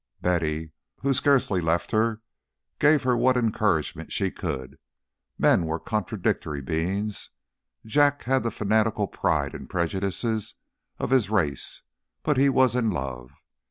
Betty, who scarcely left her, gave her what encouragement she could. Men were contradictory beings. Jack had the fanatical pride and prejudices of his race, but he was in love.